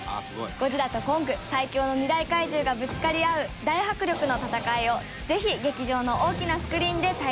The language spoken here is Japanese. ゴジラとコング最強の二大怪獣がぶつかり合う大迫力の戦いをぜひ劇場の大きなスクリーンで体感してください。